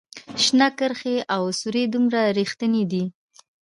شنه کرښې او سورې دومره ریښتیني دي